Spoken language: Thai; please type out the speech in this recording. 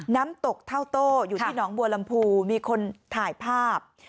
น้ำตกเท่าโต้อยู่ที่หนองบัวลำพูมีคนถ่ายภาพ